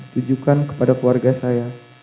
tujukan kepada keluarga saya